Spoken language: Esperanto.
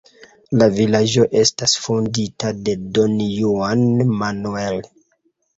La vilaĝo estis fondita de Don Juan Manuel.